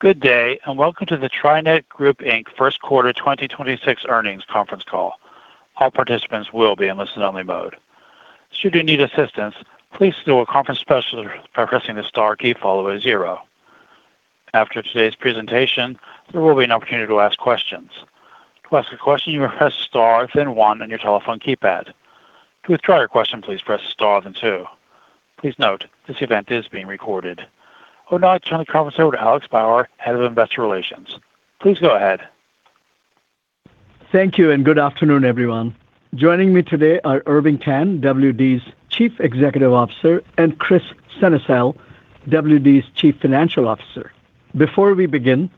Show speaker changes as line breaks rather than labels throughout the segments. Good day, and welcome to the TriNet Group, Inc. Q1 2026 Earnings Conference Call. I would now like to turn the conference over to Alex Bauer, Head of Investor Relations. Please go ahead.
Thank you. Good afternoon, everyone. Joining me today are Mike Simonds, TriNet's Chief Executive Officer, and Mala Murthy, TriNet's Chief Financial Officer. Before we begin,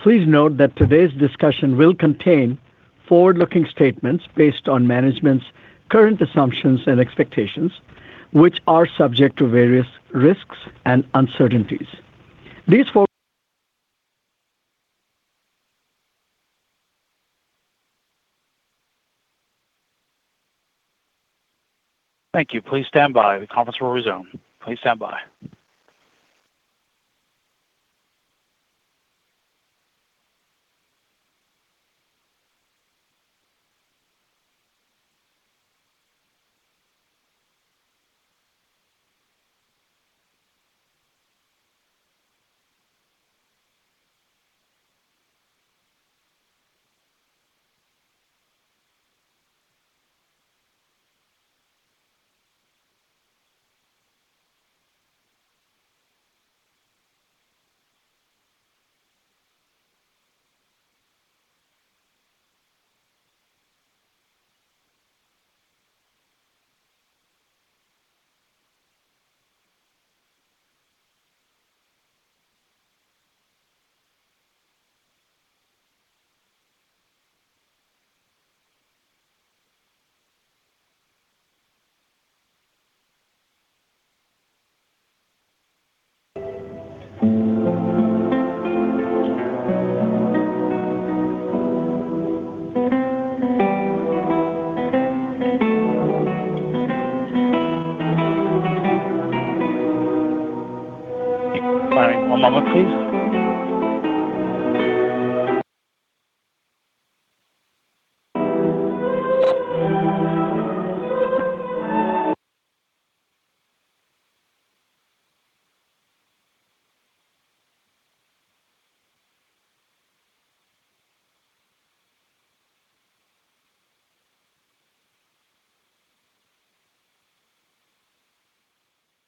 please note that today's discussion will contain forward-looking statements based on management's current assumptions and expectations, which are subject to various risks and uncertainties.
Thank you.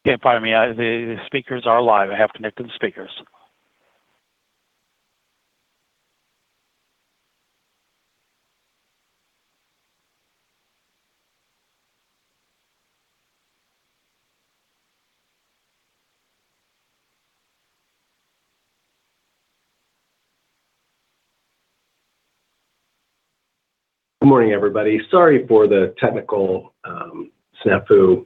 Okay, pardon me. The speakers are live. I have connected the speakers.
Good morning, everybody. Sorry for the technical snafu.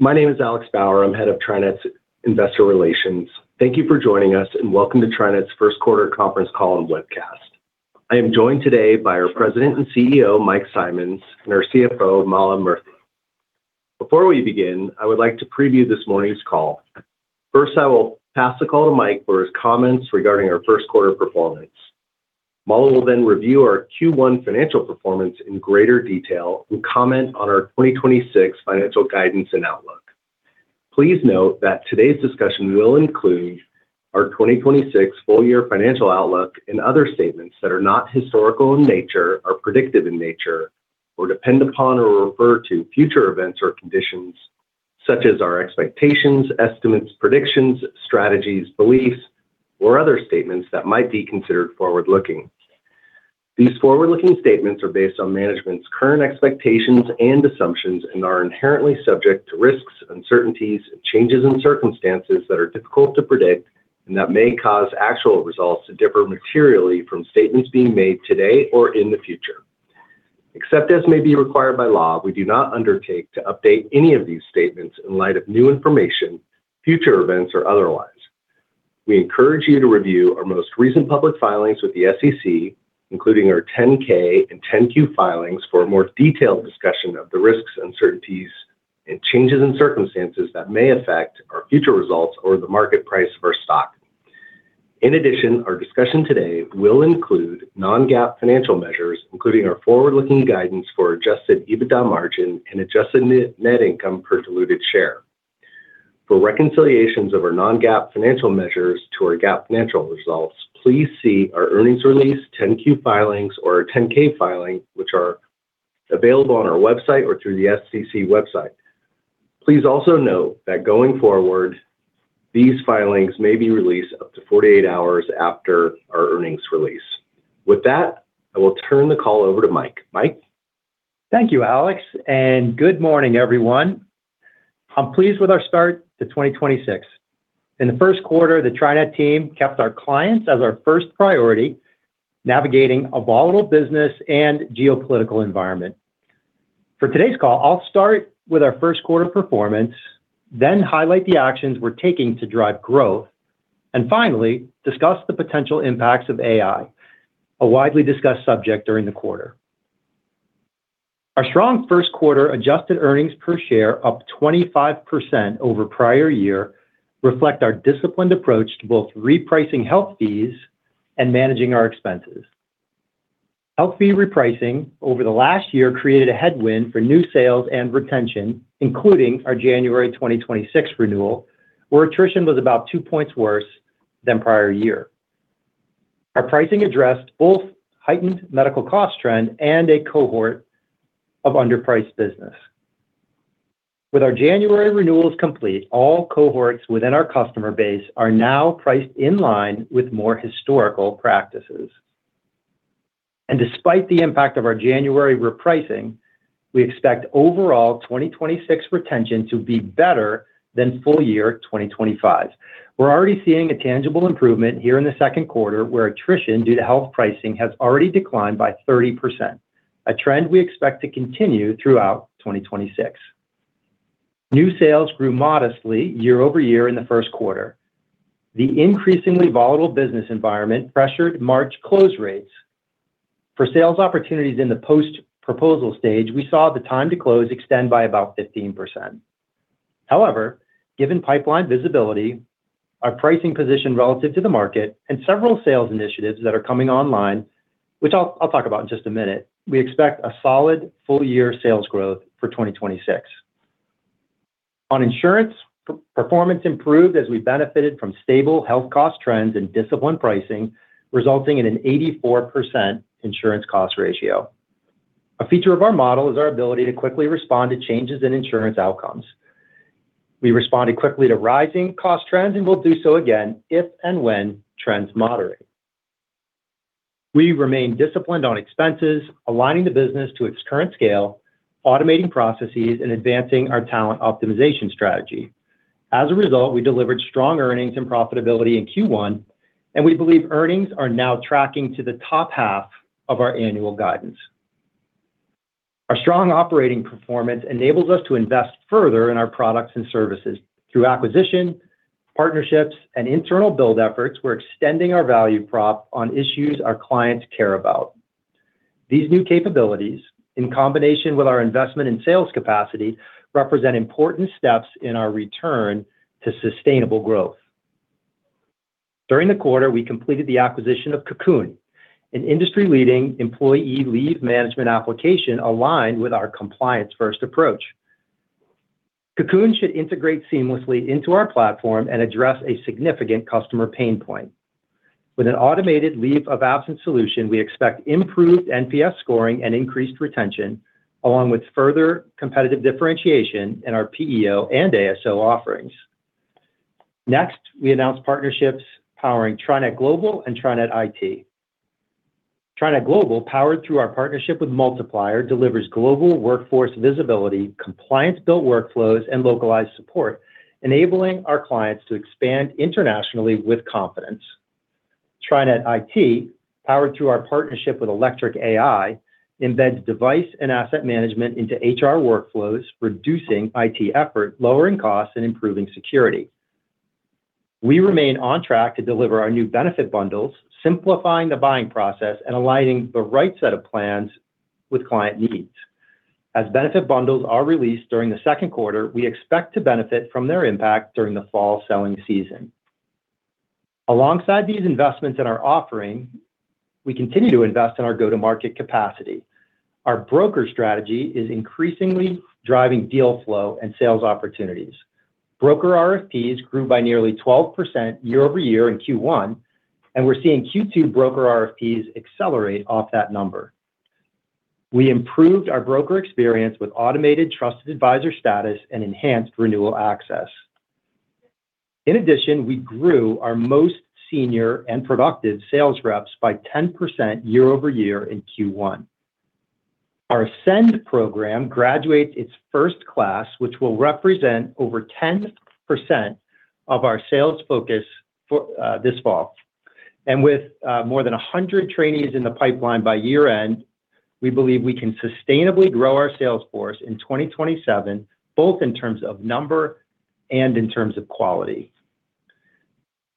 My name is Alex Bauer. I'm Head of TriNet's Investor Relations. Thank you for joining us, and welcome to TriNet's Q1 conference call and webcast. I am joined today by our President and CEO, Mike Simonds, and our CFO, Mala Murthy. Before we begin, I would like to preview this morning's call. First, I will pass the call to Mike for his comments regarding our Q1 performance. Mala will then review our Q1 financial performance in greater detail and comment on our 2026 financial guidance and outlook. Please note that today's discussion will include our 2026 full year financial outlook and other statements that are not historical in nature or predictive in nature or depend upon or refer to future events or conditions such as our expectations, estimates, predictions, strategies, beliefs, or other statements that might be considered forward-looking. These forward-looking statements are based on management's current expectations and assumptions and are inherently subject to risks, uncertainties, and changes in circumstances that are difficult to predict and that may cause actual results to differ materially from statements being made today or in the future. Except as may be required by law, we do not undertake to update any of these statements in light of new information, future events, or otherwise. We encourage you to review our most recent public filings with the SEC, including our 10-K and 10-Q filings for a more detailed discussion of the risks, uncertainties, and changes in circumstances that may affect our future results or the market price of our stock. Our discussion today will include non-GAAP financial measures, including our forward-looking guidance for adjusted EBITDA margin and adjusted net income per diluted share. For reconciliations of our non-GAAP financial measures to our GAAP financial results, please see our earnings release 10-Q filings or our 10-K filing, which are available on our website or through the SEC website. Please also note that going forward, these filings may be released up to 48 hours after our earnings release. I will turn the call over to Mike. Mike?
Thank you, Alex, and good morning, everyone. I'm pleased with our start to 2026. In the Q1, the TriNet team kept our clients as our first priority, navigating a volatile business and geopolitical environment. For today's call, I'll start with our Q1 performance, then highlight the actions we're taking to drive growth, and finally, discuss the potential impacts of AI, a widely discussed subject during the quarter. Our strong Q1 adjusted earnings per share up 25% over prior year reflect our disciplined approach to both repricing health fees and managing our expenses. Health fee repricing over the last year created a headwind for new sales and retention, including our January 2026 renewal, where attrition was about 2 points worse than prior year. Our pricing addressed both heightened medical cost trend and a cohort of underpriced business. With our January renewals complete, all cohorts within our customer base are now priced in line with more historical practices. Despite the impact of our January repricing, we expect overall 2026 retention to be better than full year 2025. We're already seeing a tangible improvement here in the Q2, where attrition due to health pricing has already declined by 30%, a trend we expect to continue throughout 2026. New sales grew modestly year-over-year in the Q1. The increasingly volatile business environment pressured March close rates. Sales opportunities in the post-proposal stage, we saw the time to close extend by about 15%. However, given pipeline visibility, our pricing position relative to the market, and several sales initiatives that are coming online, which I'll talk about in just a minute, we expect a solid full year sales growth for 2026. On insurance, performance improved as we benefited from stable health cost trends and disciplined pricing, resulting in an 84% insurance cost ratio. A feature of our model is our ability to quickly respond to changes in insurance outcomes. We responded quickly to rising cost trends, and will do so again if and when trends moderate. We remain disciplined on expenses, aligning the business to its current scale, automating processes, and advancing our talent optimization strategy. As a result, we delivered strong earnings and profitability in Q1, and we believe earnings are now tracking to the top half of our annual guidance. Our strong operating performance enables us to invest further in our products and services. Through acquisition, partnerships, and internal build efforts, we're extending our value prop on issues our clients care about. These new capabilities, in combination with our investment in sales capacity, represent important steps in our return to sustainable growth. During the quarter, we completed the acquisition of Cocoon, an industry-leading employee leave management application aligned with our compliance-first approach. Cocoon should integrate seamlessly into our platform and address a significant customer pain point. With an automated leave of absence solution, we expect improved NPS scoring and increased retention, along with further competitive differentiation in our PEO and ASO offerings. We announced partnerships powering TriNet Global and TriNet IT. TriNet Global, powered through our partnership with Multiplier, delivers global workforce visibility, compliance-built workflows, and localized support, enabling our clients to expand internationally with confidence. TriNet IT, powered through our partnership with Electric AI, embeds device and asset management into HR workflows, reducing IT effort, lowering costs, and improving security. We remain on track to deliver our new benefit bundles, simplifying the buying process and aligning the right set of plans with client needs. As benefit bundles are released during the Q2, we expect to benefit from their impact during the fall selling season. Alongside these investments in our offering, we continue to invest in our go-to-market capacity. Our broker strategy is increasingly driving deal flow and sales opportunities. Broker RFPs grew by nearly 12% year-over-year in Q1, and we're seeing Q2 broker RFPs accelerate off that number. We improved our broker experience with automated trusted advisor status and enhanced renewal access. In addition, we grew our most senior and productive sales reps by 10% year-over-year in Q1. Our Ascend program graduates its first class, which will represent over 10% of our sales focus for this fall. With more than 100 trainees in the pipeline by year-end, we believe we can sustainably grow our sales force in 2027, both in terms of number and in terms of quality.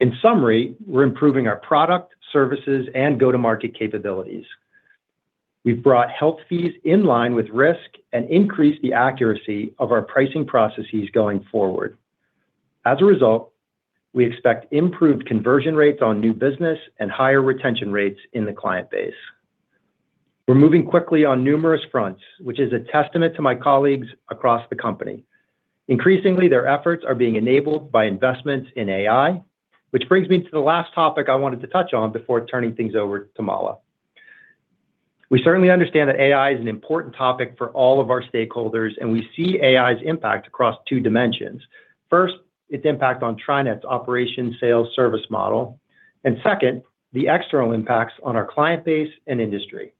In summary, we're improving our product, services, and go-to-market capabilities. We've brought health fees in line with risk and increased the accuracy of our pricing processes going forward. As a result, we expect improved conversion rates on new business and higher retention rates in the client base. We're moving quickly on numerous fronts, which is a testament to my colleagues across the company. Increasingly, their efforts are being enabled by investments in AI, which brings me to the last topic I wanted to touch on before turning things over to Mala. We certainly understand that AI is an important topic for all of our stakeholders, and we see AI's impact across two dimensions. First, its impact on TriNet's operation sales service model, and second, the external impacts on our client base and industry.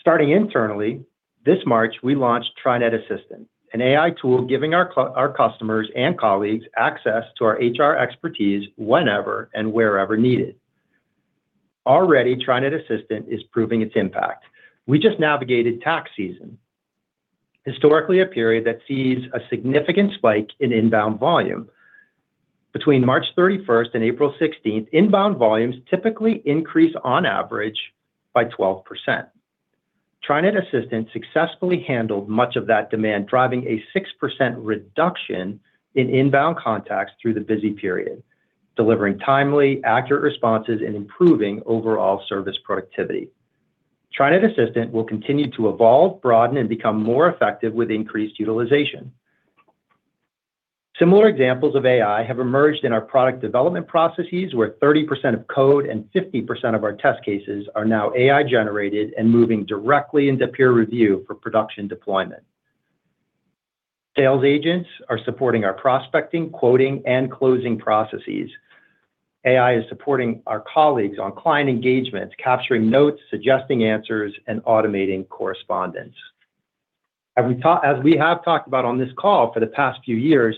Starting internally, this March, we launched TriNet Assistant, an AI tool giving our customers and colleagues access to our HR expertise whenever and wherever needed. Already, TriNet Assistant is proving its impact. We just navigated tax season, historically a period that sees a significant spike in inbound volume. Between March 31st and April 16th, inbound volumes typically increase on average by 12%. TriNet Assistant successfully handled much of that demand, driving a 6% reduction in inbound contacts through the busy period, delivering timely, accurate responses, and improving overall service productivity. TriNet Assistant will continue to evolve, broaden, and become more effective with increased utilization. Similar examples of AI have emerged in our product development processes, where 30% of code and 50% of our test cases are now AI-generated and moving directly into peer review for production deployment. Sales agents are supporting our prospecting, quoting, and closing processes. AI is supporting our colleagues on client engagements, capturing notes, suggesting answers, and automating correspondence. As we have talked about on this call for the past few years,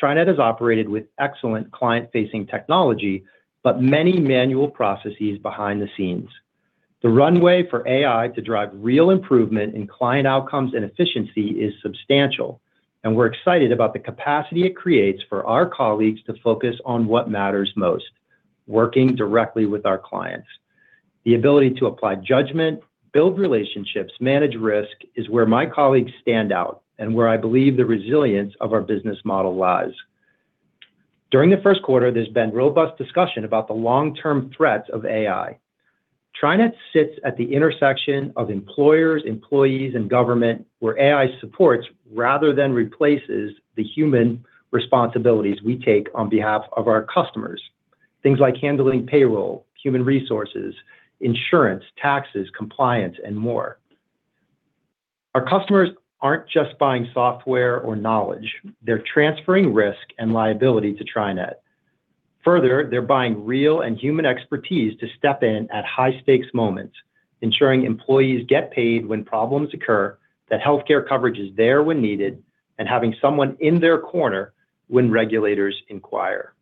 TriNet has operated with excellent client-facing technology, but many manual processes behind the scenes. The runway for AI to drive real improvement in client outcomes and efficiency is substantial, and we're excited about the capacity it creates for our colleagues to focus on what matters most, working directly with our clients. The ability to apply judgment, build relationships, manage risk is where my colleagues stand out, and where I believe the resilience of our business model lies. During the Q1, there's been robust discussion about the long-term threats of AI. TriNet sits at the intersection of employers, employees, and government where AI supports rather than replaces the human responsibilities we take on behalf of our customers. Things like handling payroll, human resources, insurance, taxes, compliance, and more. Our customers aren't just buying software or knowledge. They're transferring risk and liability to TriNet. They're buying real and human expertise to step in at high stakes moments, ensuring employees get paid when problems occur, that healthcare coverage is there when needed, and having someone in their corner when regulators inquire.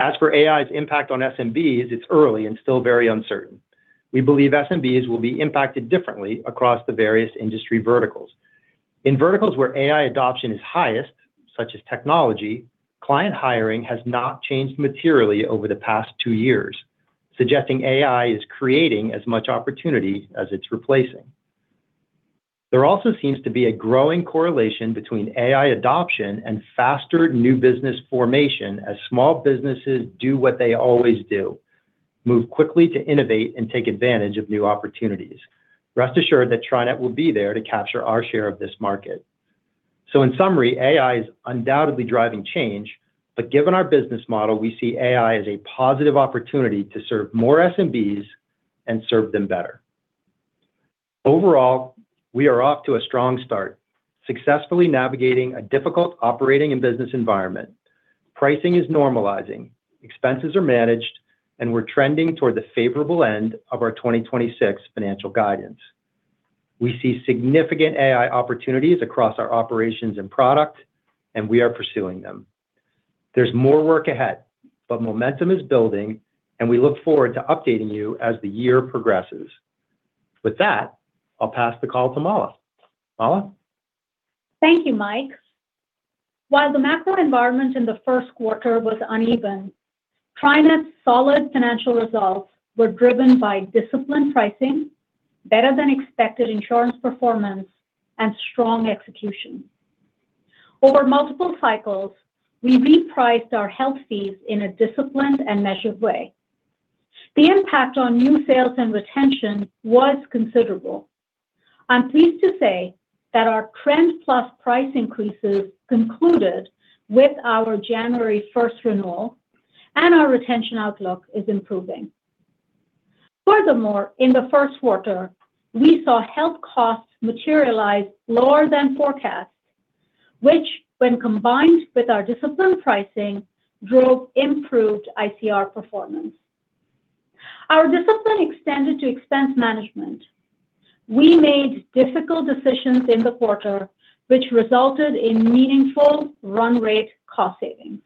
As for AI's impact on SMBs, it's early and still very uncertain. We believe SMBs will be impacted differently across the various industry verticals. In verticals where AI adoption is highest, such as technology, client hiring has not changed materially over the past two years, suggesting AI is creating as much opportunity as it's replacing. There also seems to be a growing correlation between AI adoption and faster new business formation as small businesses do what they always do: move quickly to innovate and take advantage of new opportunities. Rest assured that TriNet will be there to capture our share of this market. In summary, AI is undoubtedly driving change, but given our business model, we see AI as a positive opportunity to serve more SMBs and serve them better. Overall, we are off to a strong start, successfully navigating a difficult operating and business environment. Pricing is normalizing, expenses are managed. We're trending toward the favorable end of our 2026 financial guidance. We see significant AI opportunities across our operations and product. We are pursuing them. There's more work ahead. Momentum is building. We look forward to updating you as the year progresses. With that, I'll pass the call to Mala. Mala?
Thank you, Mike. While the macro environment in the Q1 was uneven, TriNet's solid financial results were driven by disciplined pricing, better than expected insurance performance, and strong execution. Over multiple cycles, we repriced our health fees in a disciplined and measured way. The impact on new sales and retention was considerable. I'm pleased to say that our trend plus price increases concluded with our January 1st renewal, and our retention outlook is improving. Furthermore, in the Q1, we saw health costs materialize lower than forecast, which when combined with our disciplined pricing, drove improved ICR performance. Our discipline extended to expense management. We made difficult decisions in the quarter, which resulted in meaningful run rate cost savings.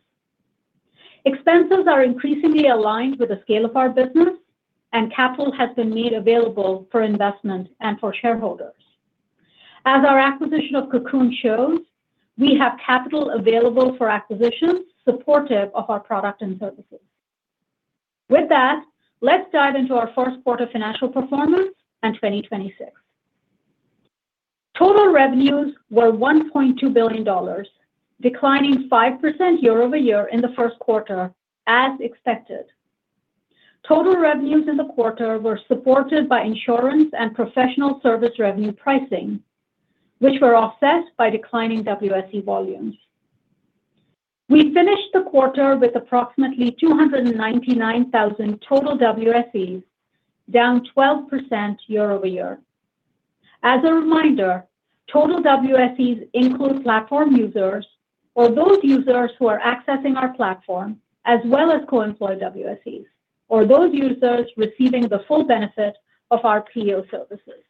Expenses are increasingly aligned with the scale of our business, and capital has been made available for investment and for shareholders. As our acquisition of Cocoon shows, we have capital available for acquisitions supportive of our product and services. With that, let's dive into our 1st quarter financial performance and 2026. Total revenues were $1.2 billion, declining 5% year-over-year in the Q1, as expected. Total revenues in the quarter were supported by insurance and professional service revenue pricing, which were offset by declining WSE volumes. We finished the quarter with approximately 299,000 total WSEs, down 12% year-over-year. As a reminder, total WSEs include platform users or those users who are accessing our platform as well as co-employed WSEs, or those users receiving the full benefit of our PEO services.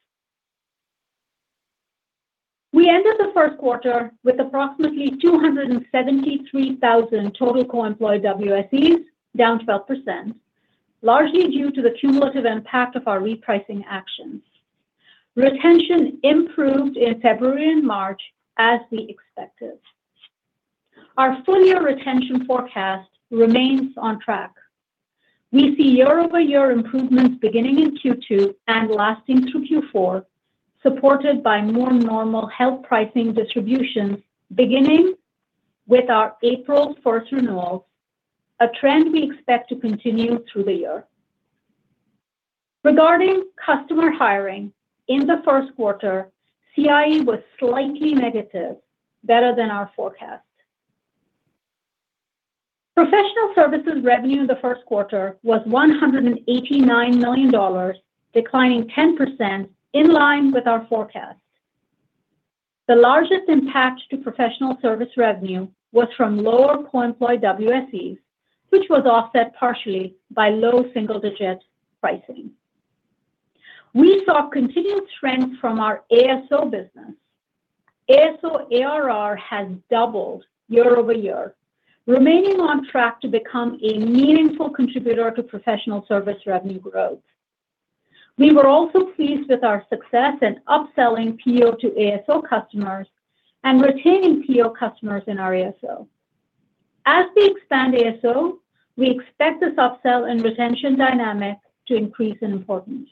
We ended the Q1 with approximately 273,000 total co-employed WSEs, down 12%, largely due to the cumulative impact of our repricing actions. Retention improved in February and March as we expected. Our full year retention forecast remains on track. We see year-over-year improvements beginning in Q2 and lasting through Q4, supported by more normal health pricing distributions beginning with our April 1st renewal, a trend we expect to continue through the year. Regarding customer hiring in the Q1, CIE was slightly negative, better than our forecast. Professional services revenue in the Q1 was $189 million, declining 10% in line with our forecast. The largest impact to professional service revenue was from lower co-employed WSEs, which was offset partially by low single digit pricing. We saw continued trends from our ASO business. ASO ARR has doubled year-over-year, remaining on track to become a meaningful contributor to professional service revenue growth. We were also pleased with our success in upselling PEO to ASO customers and retaining PEO customers in our ASO. As we expand ASO, we expect this upsell and retention dynamic to increase in importance.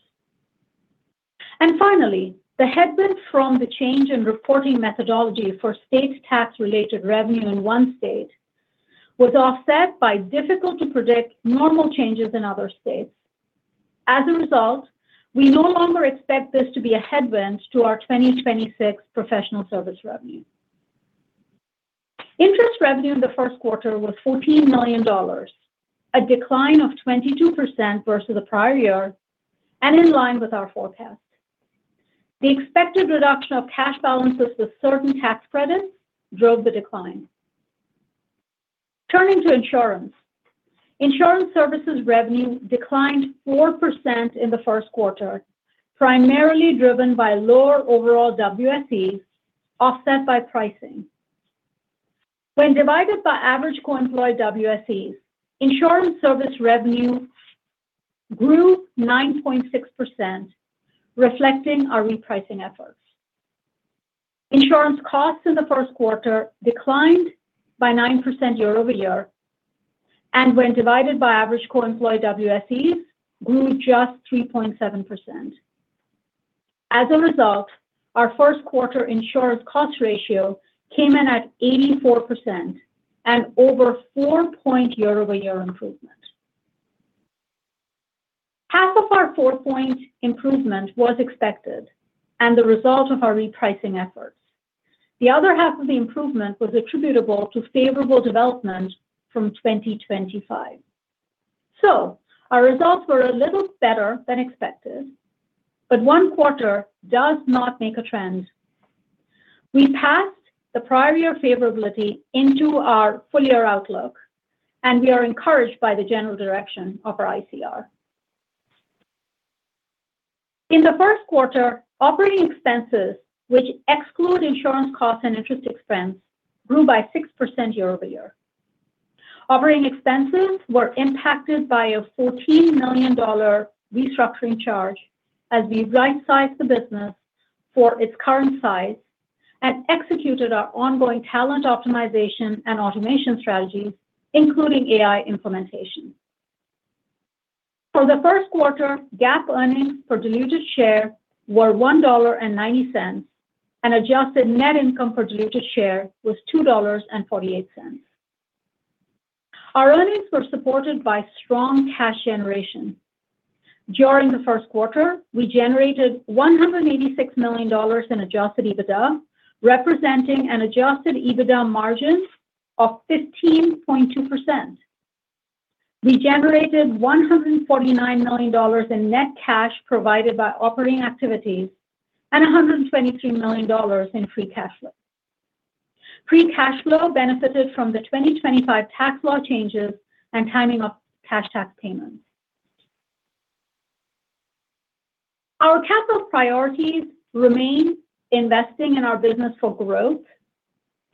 Finally, the headwind from the change in reporting methodology for state tax related revenue in one state was offset by difficult to predict normal changes in other states. As a result, we no longer expect this to be a headwind to our 2026 professional service revenue. Interest revenue in the Q1 was $14 million, a decline of 22% versus the prior year and in line with our forecast. The expected reduction of cash balances with certain tax credits drove the decline. Turning to insurance. Insurance services revenue declined 4% in the Q1, primarily driven by lower overall WSEs, offset by pricing. When divided by average co-employed WSEs, insurance service revenue grew 9.6%, reflecting our repricing efforts. Insurance costs in the Q1 declined by 9% year-over-year, when divided by average co-employed WSEs, grew just 3.7%. As a result, our Q1 insurance cost ratio came in at 84% and over 4 point year-over-year improvement. Half of our 4-point improvement was expected and the result of our repricing efforts. The other half of the improvement was attributable to favorable development from 2025. Our results were a little better than expected, but one quarter does not make a trend. We passed the prior year favorability into our full year outlook. We are encouraged by the general direction of our ICR. In the Q1, operating expenses, which exclude insurance costs and interest expense, grew by 6% year-over-year. Operating expenses were impacted by a $14 million restructuring charge as we right-sized the business for its current size and executed our ongoing talent optimization and automation strategies, including AI implementation. For the Q1, GAAP earnings per diluted share were $1.90, and adjusted net income per diluted share was $2.48. Our earnings were supported by strong cash generation. During the Q1, we generated $186 million in Adjusted EBITDA, representing an Adjusted EBITDA margin of 15.2%. We generated $149 million in net cash provided by operating activities and $123 million in free cash flow. Free cash flow benefited from the 2025 tax law changes and timing of cash tax payments. Our capital priorities remain investing in our business for growth,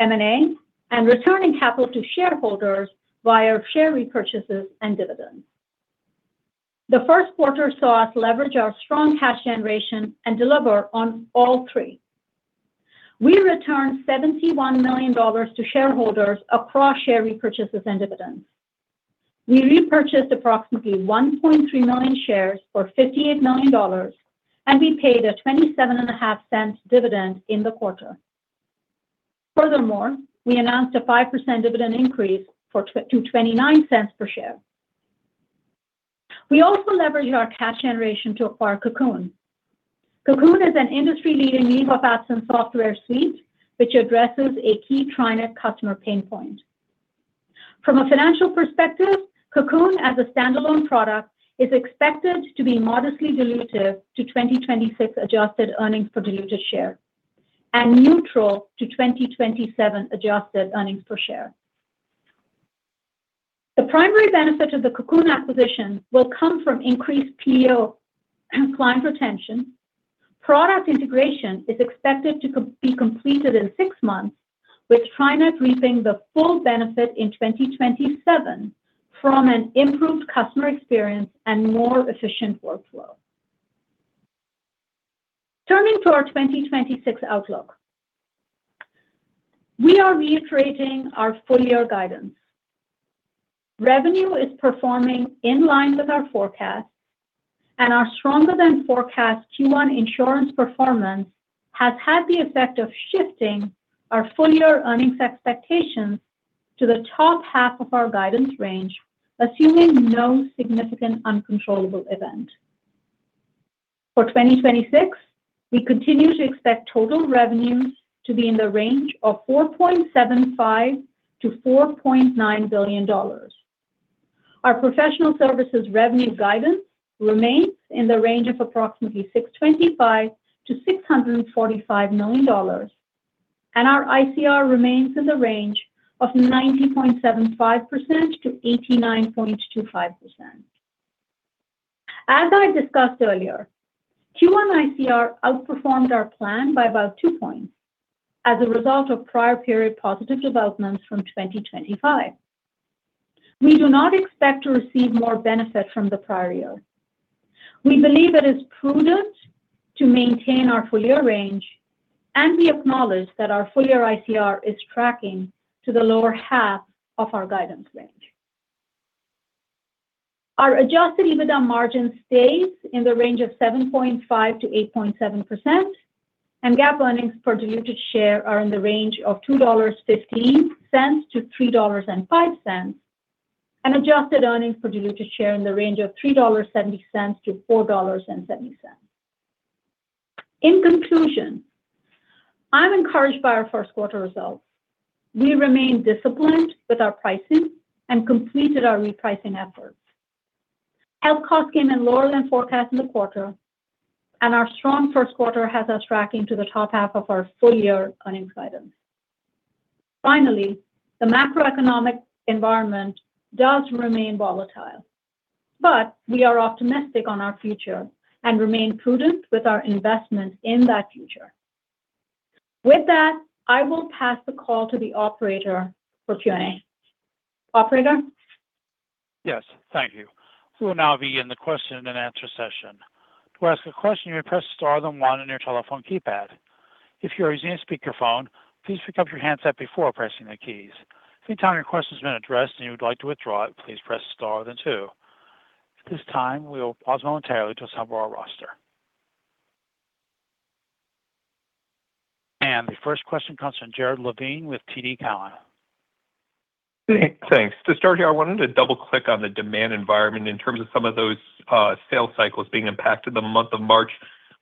M&A, and returning capital to shareholders via share repurchases and dividends. The Q1 saw us leverage our strong cash generation and deliver on all three. We returned $71 million to shareholders across share repurchases and dividends. We repurchased approximately 1.3 million shares for $58 million, and we paid a $0.275 dividend in the quarter. Furthermore, we announced a 5% dividend increase to $0.29 per share. We also leveraged our cash generation to acquire Cocoon. Cocoon is an industry-leading leave of absence software suite, which addresses a key TriNet customer pain point. From a financial perspective, Cocoon as a standalone product is expected to be modestly dilutive to 2026 adjusted earnings per diluted share and neutral to 2027 adjusted earnings per share. The primary benefit of the Cocoon acquisition will come from increased PEO and client retention. Product integration is expected to be completed in six months. With TriNet reaping the full benefit in 2027 from an improved customer experience and more efficient workflow. Turning to our 2026 outlook. We are reiterating our full-year guidance. Revenue is performing in line with our forecast, and our stronger than forecast Q1 insurance performance has had the effect of shifting our full-year earnings expectations to the top half of our guidance range, assuming no significant uncontrollable event. For 2026, we continue to expect total revenues to be in the range of $4.75 billion-$4.9 billion. Our professional services revenue guidance remains in the range of approximately $625 million-$645 million. Our ICR remains in the range of 90.75%-89.25%. As I discussed earlier, Q1 ICR outperformed our plan by about 2 points as a result of prior period positive developments from 2025. We do not expect to receive more benefit from the prior year. We believe it is prudent to maintain our full-year range. We acknowledge that our full-year ICR is tracking to the lower half of our guidance range. Our Adjusted EBITDA margin stays in the range of 7.5%-8.7%, GAAP earnings per diluted share are in the range of $2.15-$3.05, and adjusted earnings per diluted share in the range of $3.70-$4.70. In conclusion, I'm encouraged by our Q1 results. We remain disciplined with our pricing and completed our repricing efforts. Health costs came in lower than forecast in the quarter, our strong Q1 has us tracking to the top half of our full-year earnings guidance. Finally, the macroeconomic environment does remain volatile, we are optimistic on our future and remain prudent with our investment in that future. With that, I will pass the call to the operator for Q&A. Operator?
Yes, thank you. We will now begin the question-and-answer session. Well, to ask a question, you press star then one on your telephone keypad. If you're using a speakerphone, please pick up your hands up before pressing the keys. Any time your question has been addressed and you would like to withdraw it, please press star then two. At this time, we will pause momentarily to assemble our roster. The first question comes from Jared Levine with TD Cowen.
Thanks. To start here, I wanted to double-click on the demand environment in terms of some of those sales cycles being impacted the month of March.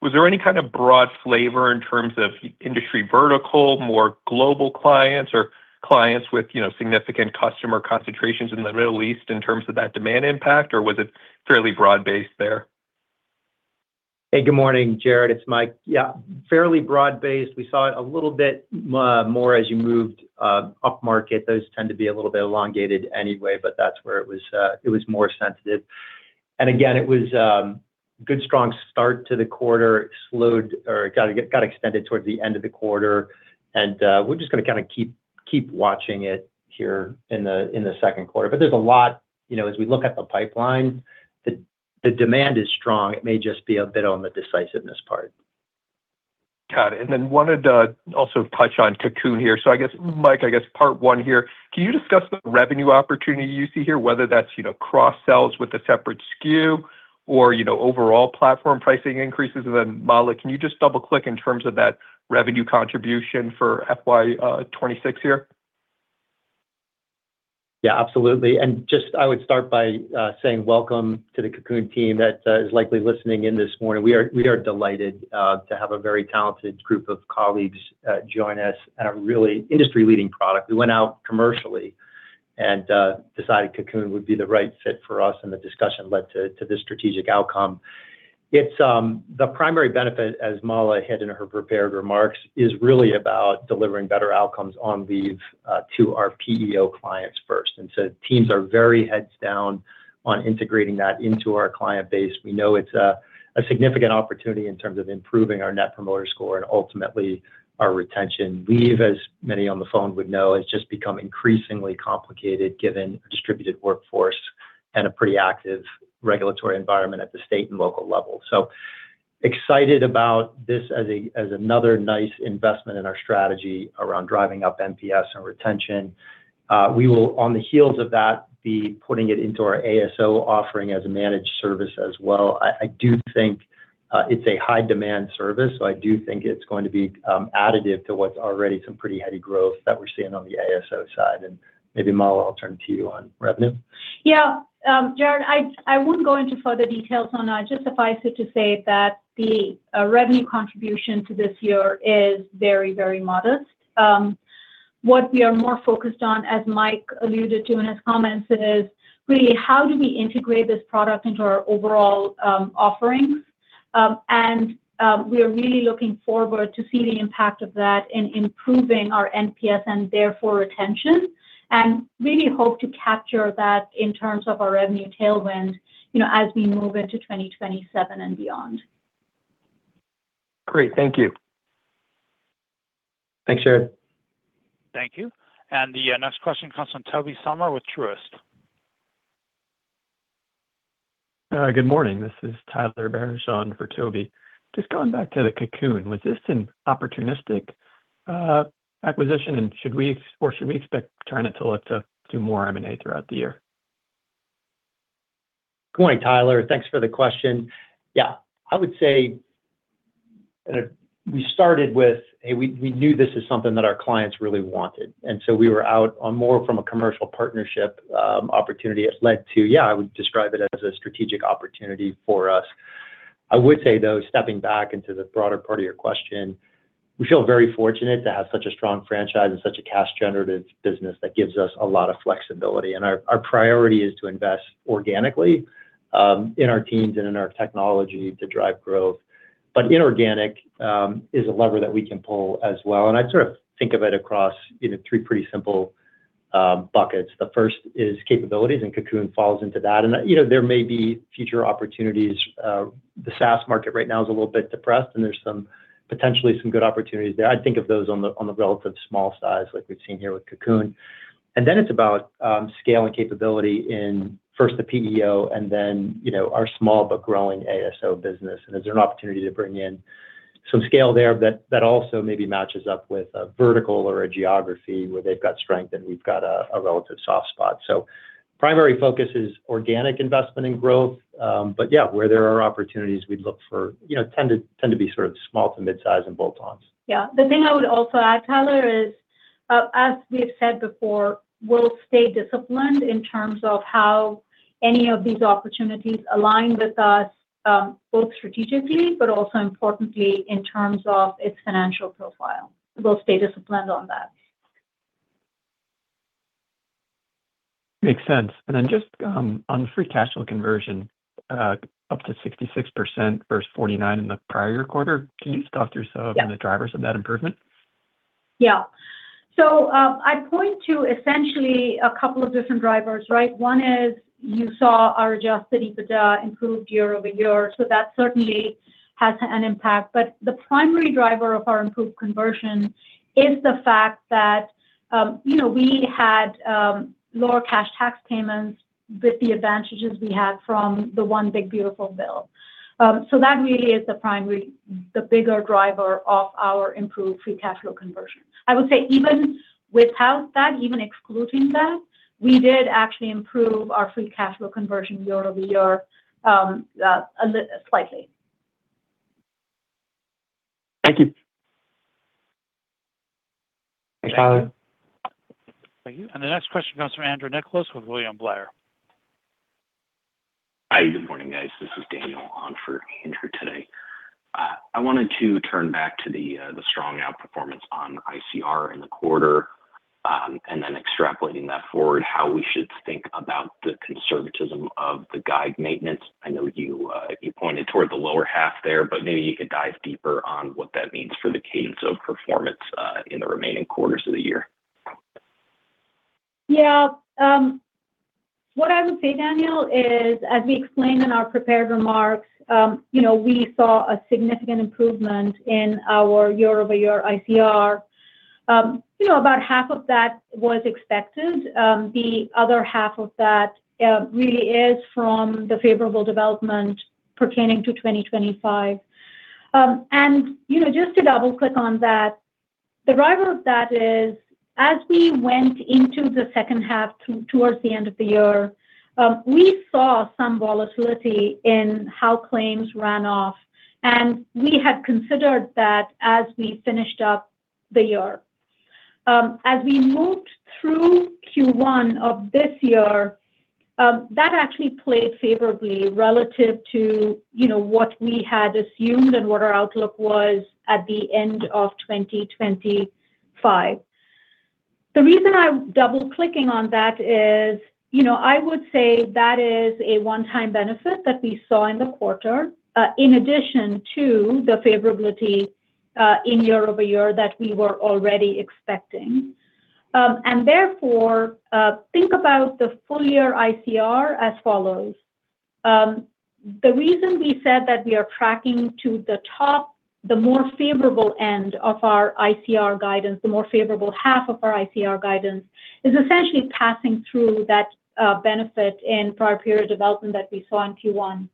Was there any kind of broad flavor in terms of industry vertical, more global clients or clients with, you know, significant customer concentrations in the Middle East in terms of that demand impact, or was it fairly broad-based there?
Hey, good morning, Jared. It's Mike. Yeah, fairly broad-based. We saw it a little bit more as you moved upmarket. Those tend to be a little bit elongated anyway, but that's where it was, it was more sensitive. Again, it was good strong start to the quarter. It slowed or it got extended towards the end of the quarter. We're just gonna kinda keep watching it here in the Q2. There's a lot, you know, as we look at the pipeline, the demand is strong. It may just be a bit on the decisiveness part.
Got it. Wanted to also touch on Cocoon here. I guess, Mike, I guess part one here. Can you discuss the revenue opportunity you see here, whether that's, you know, cross-sells with a separate SKU or, you know, overall platform pricing increases? Mala, can you just double-click in terms of that revenue contribution for FY 2026 here?
Yeah, absolutely. Just I would start by saying welcome to the Cocoon team that is likely listening in this morning. We are delighted to have a very talented group of colleagues join us on a really industry-leading product. We went out commercially and decided Cocoon would be the right fit for us, and the discussion led to this strategic outcome. It's the primary benefit, as Mala had in her prepared remarks, is really about delivering better outcomes on leave to our PEO clients first. Teams are very heads down on integrating that into our client base. We know it's a significant opportunity in terms of improving our Net Promoter Score and ultimately our retention. Leave, as many on the phone would know, has just become increasingly complicated given a distributed workforce and a pretty active regulatory environment at the state and local level. Excited about this as another nice investment in our strategy around driving up NPS and retention. We will on the heels of that be putting it into our ASO offering as a managed service as well. I do think it's a high-demand service, so I do think it's going to be additive to what's already some pretty heady growth that we're seeing on the ASO side. Maybe, Mala, I'll turn to you on revenue.
Yeah. Jared, I wouldn't go into further details on that. Just suffice it to say that the revenue contribution to this year is very, very modest. What we are more focused on, as Mike alluded to in his comments, is really how do we integrate this product into our overall offerings. We are really looking forward to see the impact of that in improving our NPS and therefore retention, and really hope to capture that in terms of our revenue tailwind, you know, as we move into 2027 and beyond.
Great. Thank you.
Thanks, Jared.
Thank you. The next question comes from Tobey Sommer with Truist Securities.
Good morning. This is Tyler Barad on for Tobey. Just going back to the Cocoon, was this an opportunistic acquisition? Should we expect TriNet to look to do more M&A throughout the year?
Good morning, Tyler. Thanks for the question. I would say that we started with, hey, we knew this is something that our clients really wanted. We were out on more from a commercial partnership opportunity. I would describe it as a strategic opportunity for us. I would say, though, stepping back into the broader part of your question, we feel very fortunate to have such a strong franchise and such a cash-generative business that gives us a lot of flexibility. Our priority is to invest organically in our teams and in our technology to drive growth. Inorganic is a lever that we can pull as well. I sort of think of it across, you know, three pretty simple buckets. The first is capabilities. Cocoon falls into that. You know, there may be future opportunities. The SaaS market right now is a little bit depressed, and there's some, potentially some good opportunities there. I'd think of those on the, on the relative small size like we've seen here with Cocoon. It's about scale and capability in first the PEO and then, you know, our small but growing ASO business. There's an opportunity to bring in some scale there that also maybe matches up with a vertical or a geography where they've got strength and we've got a relative soft spot. Primary focus is organic investment and growth. Yeah, where there are opportunities we'd look for, you know, tend to be sort of small to midsize and bolt-ons.
Yeah. The thing I would also add, Tyler, is as we've said before, we'll stay disciplined in terms of how any of these opportunities align with us, both strategically, but also importantly in terms of its financial profile. We'll stay disciplined on that.
Makes sense. Just on free cash flow conversion, up to 66% versus 49% in the prior quarter. Can you talk through some of the drivers of that improvement?
Yeah. I'd point to essentially a couple of different drivers, right? One is you saw our Adjusted EBITDA improved year-over-year, that certainly has an impact. The primary driver of our improved conversion is the fact that, you know, we had lower cash tax payments with the advantages we had from the Tax Cuts and Jobs Act. That really is the bigger driver of our improved free cash flow conversion. I would say even without that, even excluding that, we did actually improve our free cash flow conversion year-over-year, slightly.
Thank you.
Thanks, Tyler.
Thank you. The next question comes from Andrew Nicholas with William Blair.
Hi, good morning, guys. This is Daniel on for Andrew today. I wanted to turn back to the strong outperformance on ICR in the quarter, and then extrapolating that forward, how we should think about the conservatism of the guide maintenance. I know you pointed toward the lower half there, but maybe you could dive deeper on what that means for the cadence of performance in the remaining quarters of the year.
Yeah. What I would say, Daniel, is, as we explained in our prepared remarks, we saw a significant improvement in our year-over-year ICR. About half of that was expected. The other half of that really is from the favorable development pertaining to 2025. And just to double-click on that, the driver of that is as we went into the H2 towards the end of the year, we saw some volatility in how claims ran off, and we had considered that as we finished up the year. As we moved through Q1 of this year, that actually played favorably relative to what we had assumed and what our outlook was at the end of 2025. The reason I'm double-clicking on that is, you know, I would say that is a one-time benefit that we saw in the quarter, in addition to the favorability in year-over-year that we were already expecting. Therefore, think about the full year ICR as follows. The reason we said that we are tracking to the top, the more favorable end of our ICR guidance, the more favorable half of our ICR guidance, is essentially passing through that benefit in prior period development that we saw in Q1.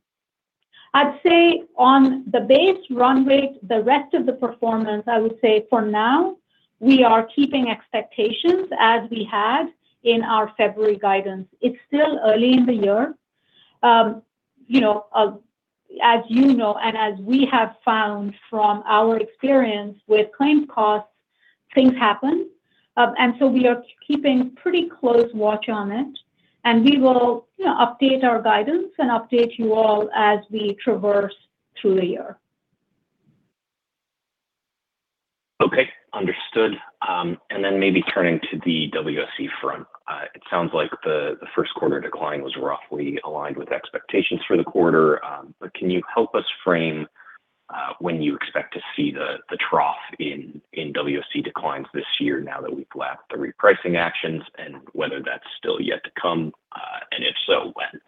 I'd say on the base run rate, the rest of the performance, I would say for now, we are keeping expectations as we had in our February guidance. It's still early in the year. You know, as you know and as we have found from our experience with claims costs, things happen. We are keeping pretty close watch on it, and we will, you know, update our guidance and update you all as we traverse through the year.
Okay. Understood. Maybe turning to the WSE front. It sounds like the Q1 decline was roughly aligned with expectations for the quarter. Can you help us frame when you expect to see the trough in WSE declines this year now that we've lapped the repricing actions and whether that's still yet to come? If so, when?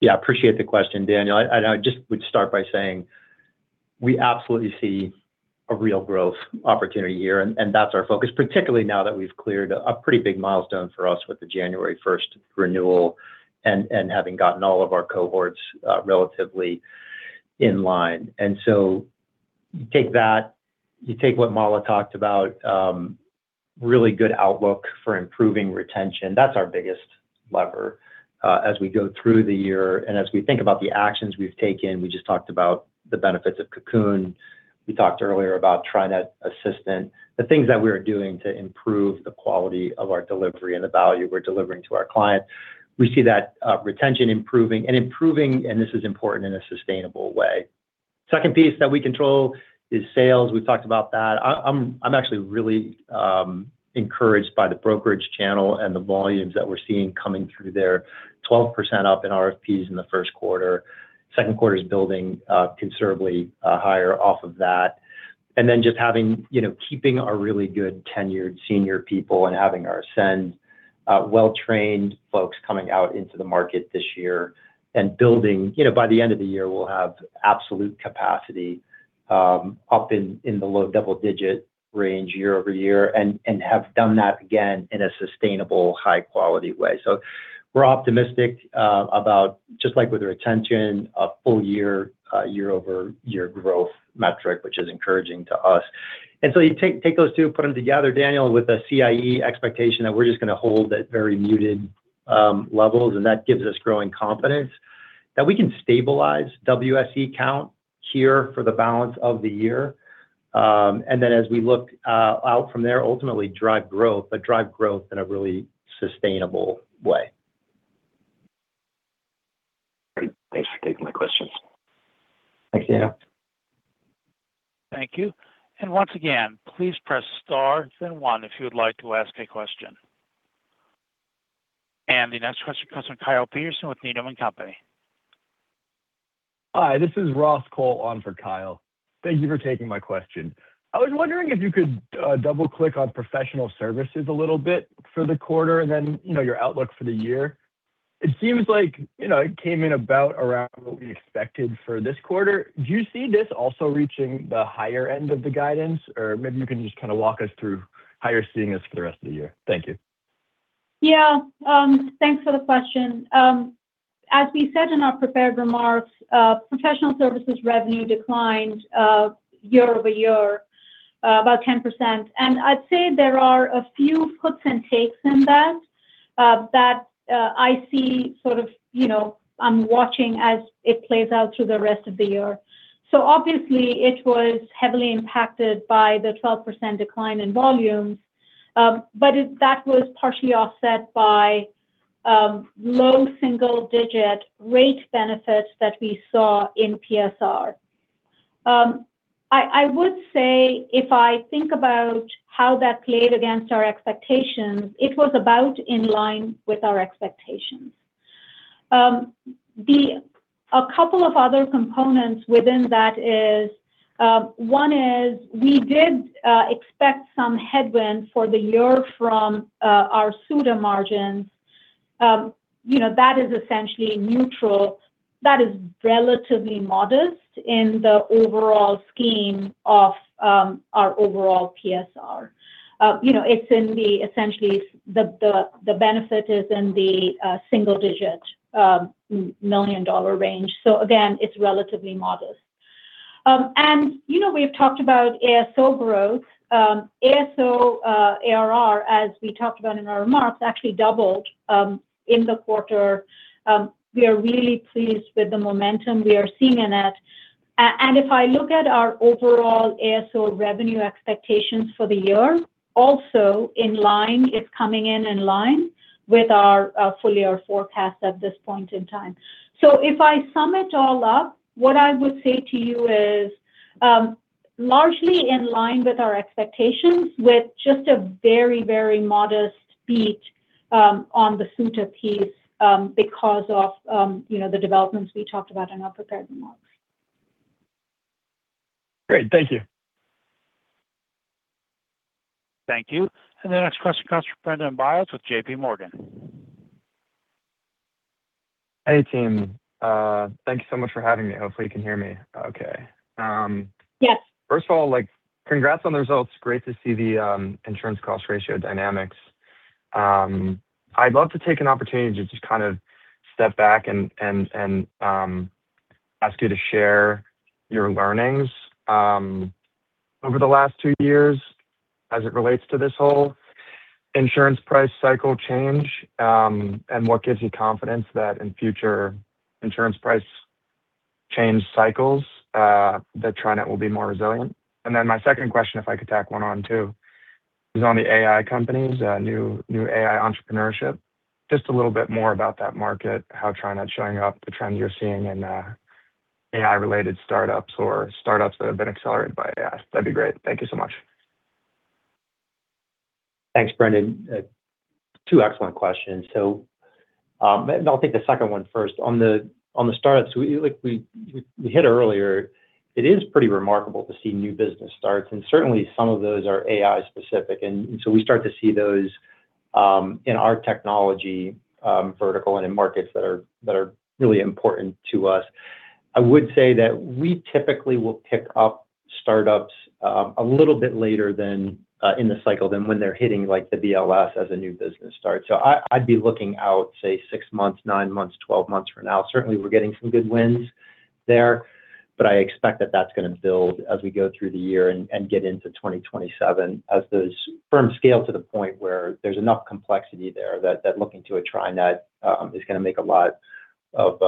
Yeah, appreciate the question, Daniel. I just would start by saying we absolutely see a real growth opportunity here, and that's our focus, particularly now that we've cleared a pretty big milestone for us with the January 1st renewal and having gotten all of our cohorts relatively in line. You take that, you take what Mala talked about, really good outlook for improving retention. That's our biggest lever as we go through the year and as we think about the actions we've taken. We just talked about the benefits of Cocoon. We talked earlier about TriNet Assistant, the things that we are doing to improve the quality of our delivery and the value we're delivering to our client. We see that retention improving, and improving, and this is important, in a sustainable way. Second piece that we control is sales. We've talked about that. I'm actually really encouraged by the brokerage channel and the volumes that we're seeing coming through there. 12% up in RFPs in the Q1. Q2's building considerably higher off of that. Just having, you know, keeping our really good tenured senior people and having our TriNet Ascend well-trained folks coming out into the market this year and building, you know, by the end of the year we'll have absolute capacity up in the low double-digit range year-over-year, and have done that again in a sustainable high quality way. We're optimistic about just like with the retention a full year year-over-year growth metric, which is encouraging to us. You take those two, put them together, Daniel, with a CIE expectation that we're just gonna hold at very muted levels, that gives us growing confidence that we can stabilize WSE count here for the balance of the year. Then as we look out from there, ultimately drive growth, but drive growth in a really sustainable way.
Great. Thanks for taking my questions.
Thanks, Daniel.
Thank you. Once again, please press star then one if you would like to ask a question. The next question comes from Kyle Peterson with Needham & Company.
Hi, this is Ross Cole on for Kyle. Thank you for taking my question. I was wondering if you could double-click on professional services a little bit for the quarter and then, you know, your outlook for the year. It seems like, you know, it came in about around what we expected for this quarter. Do you see this also reaching the higher end of the guidance? Or maybe you can just kind of walk us through how you're seeing this for the rest of the year. Thank you.
Yeah. Thanks for the question. As we said in our prepared remarks, professional services revenue declined year-over-year about 10%. I'd say there are a few puts and takes in that I see sort of, you know, I'm watching as it plays out through the rest of the year. Obviously it was heavily impacted by the 12% decline in volumes. That was partially offset by low single-digit rate benefits that we saw in PSR. I would say if I think about how that played against our expectations, it was about in line with our expectations. A couple of other components within that is one is we did expect some headwinds for the year from our SUTA margins. You know, that is essentially neutral. That is relatively modest in the overall scheme of our overall PSR. You know, essentially the benefit is in the single-digit million dollar range. Again, it's relatively modest. You know, we've talked about ASO growth. ASO ARR, as we talked about in our remarks, actually doubled in the quarter. We are really pleased with the momentum we are seeing in it. If I look at our overall ASO revenue expectations for the year, also in line, it's coming in in line with our full year forecast at this point in time. If I sum it all up, what I would say to you is, largely in line with our expectations with just a very, very modest beat, on the SUTA piece, because of, you know, the developments we talked about in our prepared remarks.
Great. Thank you.
Thank you. The next question comes from Brendan Byers with J.P. Morgan.
Hey, team. Thank you so much for having me. Hopefully you can hear me okay.
Yes
First of all, like congrats on the results. Great to see the insurance cost ratio dynamics. I'd love to take an opportunity to just kind of step back and ask you to share your learnings over the last two years as it relates to this whole insurance price cycle change. What gives you confidence that in future insurance price change cycles that TriNet will be more resilient? Then my second question, if I could tack one on too, is on the AI companies, new AI entrepreneurship. Just a little bit more about that market, how TriNet's showing up, the trend you're seeing in AI related startups or startups that have been accelerated by AI. That'd be great. Thank you so much.
Thanks, Brendan. Two excellent questions. I'll take the second one first. On the startups, we, like we hit earlier, it is pretty remarkable to see new business starts, and certainly some of those are AI specific. So we start to see those in our technology vertical and in markets that are really important to us. I would say that we typically will pick up startups a little bit later than in the cycle than when they're hitting like the BLS as a new business start. I'd be looking out say six months, nine months, 12 months from now. Certainly we're getting some good wins there, but I expect that that's going to build as we go through the year and get into 2027 as those firms scale to the point where there's enough complexity there that looking to a TriNet is going to make a lot of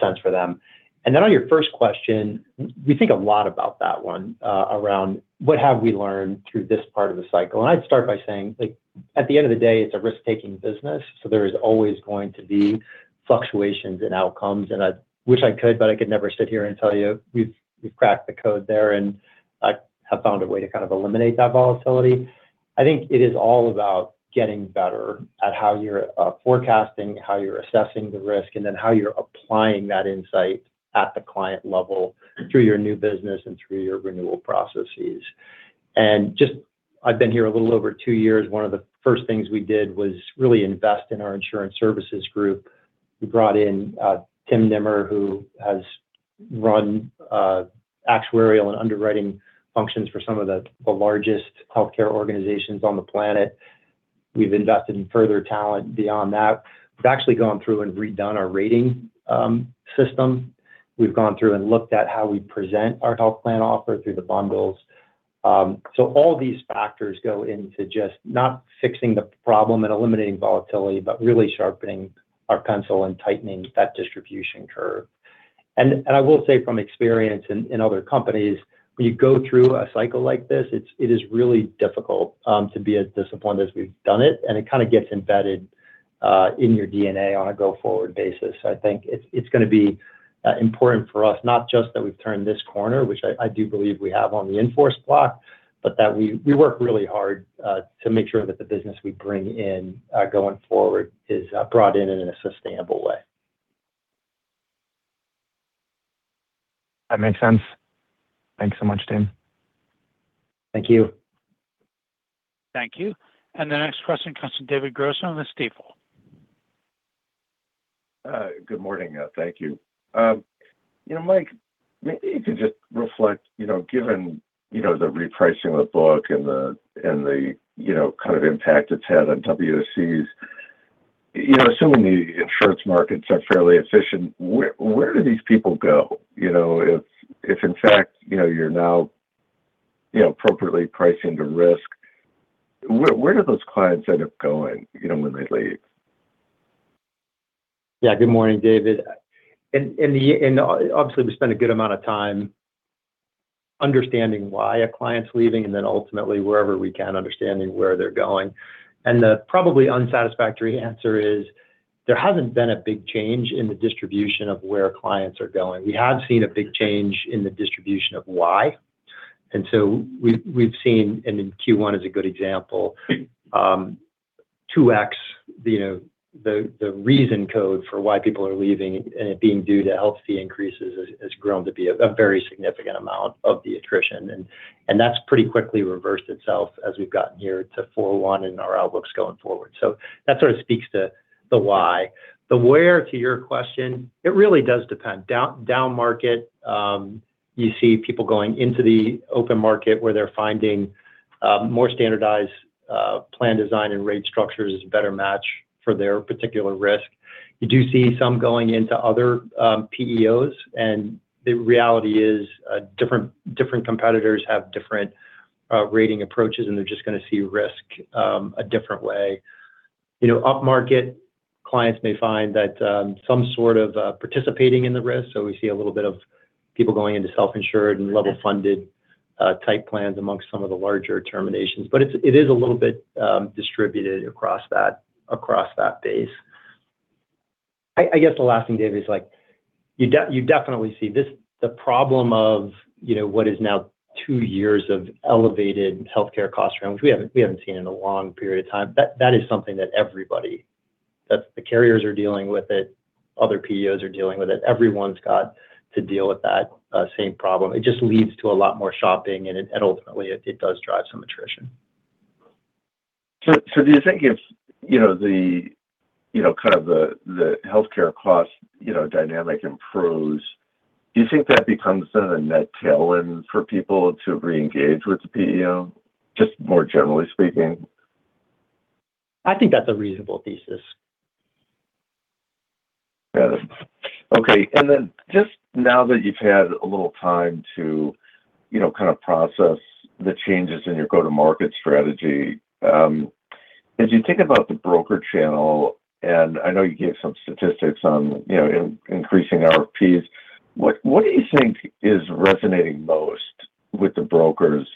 sense for them. On your first question, we think a lot about that one around what have we learned through this part of the cycle. I'd start by saying like, at the end of the day, it's a risk-taking business, so there is always going to be fluctuations in outcomes. I wish I could, but I could never sit here and tell you we've cracked the code there and I have found a way to kind of eliminate that volatility. I think it is all about getting better at how you're forecasting, how you're assessing the risk, and then how you're applying that insight at the client level through your new business and through your renewal processes. I've been here a little over two years. One of the first things we did was really invest in our insurance services group. We brought in Tim Nimmer, who has run actuarial and underwriting functions for some of the largest healthcare organizations on the planet. We've invested in further talent beyond that. We've actually gone through and redone our rating system. We've gone through and looked at how we present our health plan offer through the bundles. All these factors go into just not fixing the problem and eliminating volatility, but really sharpening our pencil and tightening that distribution curve. I will say from experience in other companies, when you go through a cycle like this, it's, it is really difficult to be as disciplined as we've done it, and it kind of gets embedded in your DNA on a go-forward basis. I think it's gonna be important for us, not just that we've turned this corner, which I do believe we have on the in-force block, but that we work really hard to make sure that the business we bring in going forward is brought in in a sustainable way.
That makes sense. Thanks so much, Tim.
Thank you.
Thank you. The next question comes from David Grossman with Stifel.
Good morning. Thank you. You know, Mike, maybe you could just reflect, you know, given, you know, the repricing of the book and the, and the, you know, kind of impact it's had on WSEs, you know, assuming the insurance markets are fairly efficient, where do these people go? You know, if in fact, you know, you're now, you know, appropriately pricing the risk, where do those clients end up going, you know, when they leave?
Yeah. Good morning, David. Obviously, we spend a good amount of time understanding why a client's leaving, and then ultimately wherever we can, understanding where they're going. The probably unsatisfactory answer is, there hasn't been a big change in the distribution of where clients are going. We have seen a big change in the distribution of why. We've seen, then Q1 is a good example, 2x, you know, the reason code for why people are leaving and it being due to health fee increases has grown to be a very significant amount of the attrition. That's pretty quickly reversed itself as we've gotten here to 4/1 in our outlooks going forward. That sort of speaks to the why. The where, to your question, it really does depend. Down market, you see people going into the open market where they're finding more standardized plan design and rate structures is a better match for their particular risk. You do see some going into other PEOs, and the reality is, different competitors have different rating approaches, and they're just gonna see risk a different way. You know, up-market, clients may find that some sort of participating in the risk. We see a little bit of people going into self-insured and level funded type plans amongst some of the larger terminations. It is a little bit distributed across that base. I guess the last thing, David, is like you definitely see this, the problem of, you know, what is now two years of elevated healthcare cost round, which we haven't seen in a long period of time, that is something that everybody, that the carriers are dealing with it, other PEOs are dealing with it. Everyone's got to deal with that same problem. It just leads to a lot more shopping and ultimately it does drive some attrition.
Do you think if, you know, the, you know, kind of the healthcare cost, you know, dynamic improves, do you think that becomes then a net tailwind for people to reengage with the PEO, just more generally speaking?
I think that's a reasonable thesis.
Got it. Okay. Just now that you've had a little time to, you know, kind of process the changes in your go-to-market strategy, as you think about the broker channel, and I know you gave some statistics on, you know, increasing RFPs, what do you think is resonating most with the brokers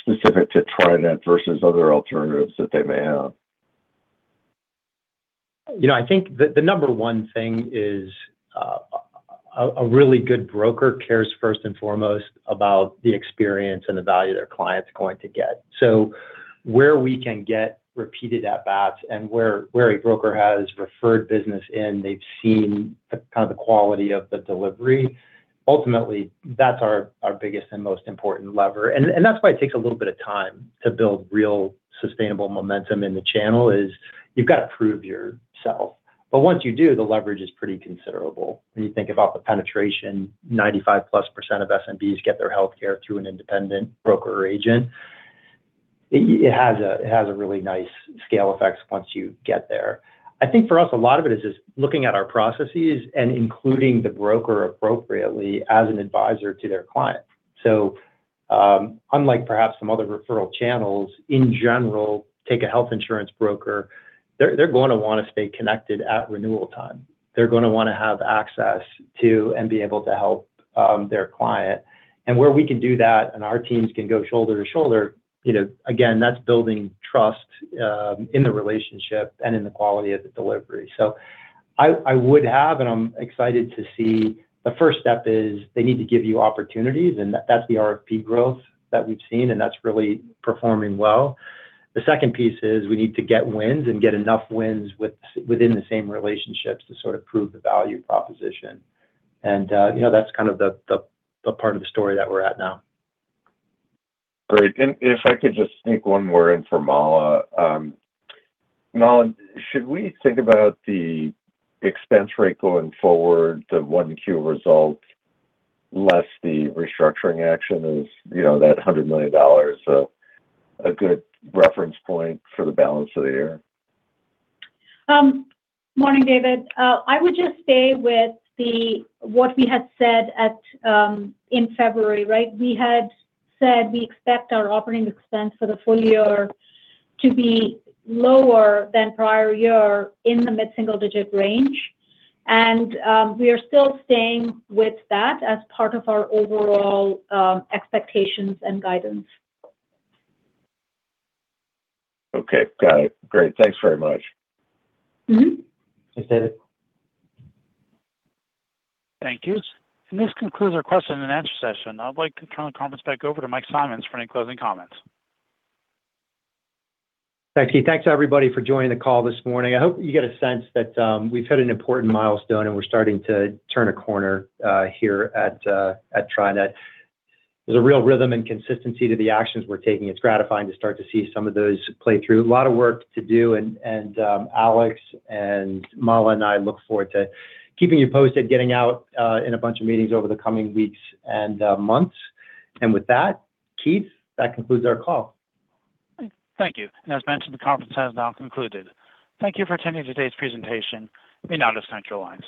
specific to TriNet versus other alternatives that they may have?
You know, I think the number one thing is a really good broker cares first and foremost about the experience and the value their client's going to get. Where we can get repeated at-bats and where a broker has referred business in, they've seen the kind of the quality of the delivery, ultimately that's our biggest and most important lever. That's why it takes a little bit of time to build real sustainable momentum in the channel, is you've gotta prove yourself. Once you do, the leverage is pretty considerable. When you think about the penetration, 95%+ of SMBs get their healthcare through an independent broker or agent. It has a really nice scale effects once you get there. I think for us, a lot of it is just looking at our processes and including the broker appropriately as an advisor to their client. Unlike perhaps some other referral channels, in general, take a health insurance broker, they're gonna wanna stay connected at renewal time. They're gonna wanna have access to, and be able to help, their client. Where we can do that and our teams can go shoulder to shoulder, you know, again, that's building trust in the relationship and in the quality of the delivery. I would have, and I'm excited to see, the first step is they need to give you opportunities, and that's the RFP growth that we've seen, and that's really performing well. The second piece is we need to get wins and get enough wins within the same relationships to sort of prove the value proposition. You know, that's kind of the, the part of the story that we're at now.
Great. If I could just sneak one more in for Mala. Mala, should we think about the expense rate going forward, the 1Q result, less the restructuring action is that $100 million, so a good reference point for the balance of the year?
morning, David. I would just stay with what we had said in February, right? We had said we expect our OpEx for the full year to be lower than prior year in the mid-single digit range. We are still staying with that as part of our overall expectations and guidance.
Okay. Got it. Great. Thanks very much.
Mm-hmm.
Thanks, David.
Thank you. This concludes our question-and-answer session. I'd like to turn the conference back over to Mike Simonds for any closing comments.
Thank you. Thanks everybody for joining the call this morning. I hope you get a sense that we've hit an important milestone, and we're starting to turn a corner here at TriNet. There's a real rhythm and consistency to the actions we're taking. It's gratifying to start to see some of those play through. A lot of work to do, Alex and Mala and I look forward to keeping you posted, getting out in a bunch of meetings over the coming weeks and months. With that, Keith, that concludes our call.
Thank you. As mentioned, the conference has now concluded. Thank you for attending today's presentation and you may now disconnect your lines.